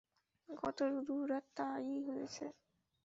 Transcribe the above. গত দু রাত তা-ই হয়েছে।